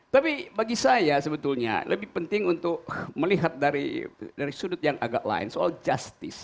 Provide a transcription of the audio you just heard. tapi bagi saya sebetulnya lebih penting untuk melihat dari sudut yang agak lain soal justice